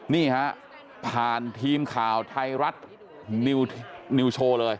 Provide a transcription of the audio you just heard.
นี่ฮะผ่านทีมข่าวไทยรัฐนิวโชว์เลย